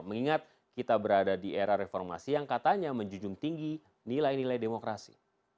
mengingat kita berada di era reformasi yang katanya menjunjung tinggi nilai nilai demokrasi